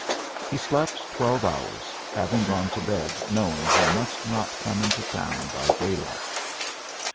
He slept twelve hours, having gone to bed knowing he must not come into town by daylight.